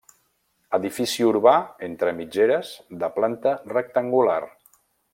Edifici urbà entre mitgeres de planta rectangular.